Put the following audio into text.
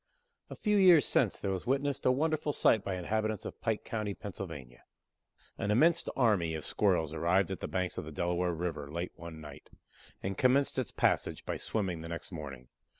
A few years since there was witnessed a wonderful sight by inhabitants of Pike County, Pa. An immense army of Squirrels arrived at the banks of the Delaware river late one night, and commenced its passage by swimming the next morning.